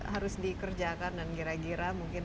harus dikerjakan dan kira kira mungkin